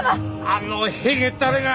あのへげたれが！